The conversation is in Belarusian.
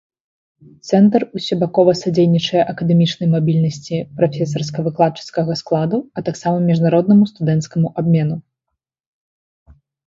Цэнтр усебакова садзейнічае акадэмічнай мабільнасці прафесарска-выкладчыцкага складу, а таксама міжнароднаму студэнцкаму абмену.